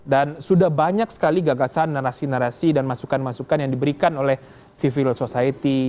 dan sudah banyak sekali gagasan narasi narasi dan masukan masukan yang diberikan oleh civil society